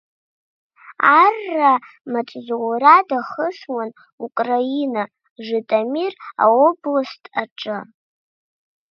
Арра маҵзура дахысуан Украина, Житомир аобласт аҿы.